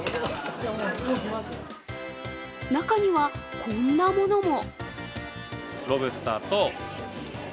中には、こんなものも。